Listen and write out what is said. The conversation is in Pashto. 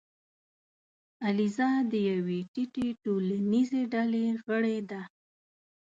الیزا د یوې ټیټې ټولنیزې ډلې غړې ده.